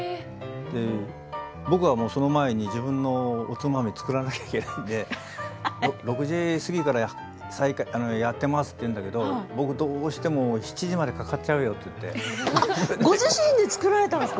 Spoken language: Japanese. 僕はその前に自分のおつまみを作らなければいけないので６時過ぎからやってますって言うんだけど、僕はどうしてもご自身で作ったんですか。